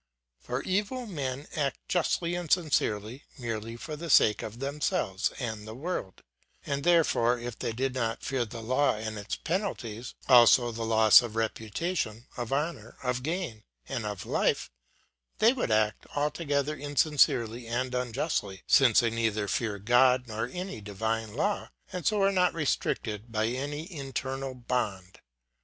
For evil men act justly and sincerely merely for the sake of themselves and the world ; and therefore if they did not fear the law and its penalties, also the loss of reputation, of honour, of gain, and of life, they would act altogether insincerely and unjustly, inasmuch as they neither fear God nor any divine law, and are not restrained by any internal bond.